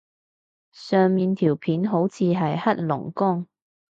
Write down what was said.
上面條片好似係黑龍江